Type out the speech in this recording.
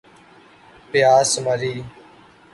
پیاس مری